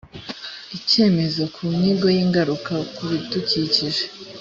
icyemezo ku nyigo y ingaruka ku bidukikije